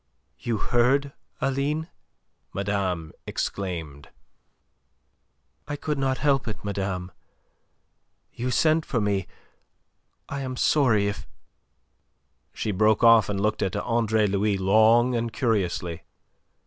"You heard, Aline?" madame exclaimed. "I could not help it, madame. You sent for me. I am sorry if..." She broke off, and looked at Andre Louis long and curiously.